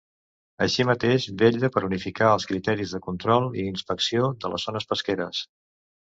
Així mateix vetlla per unificar els criteris de control i inspecció de les zones pesqueres.